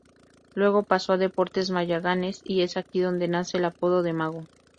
Luego pasó a Deportes Magallanes y es aquí donde nace el apodo de "Mago".